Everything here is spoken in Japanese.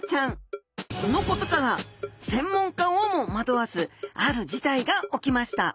このことから専門家をも惑わすある事態が起きました！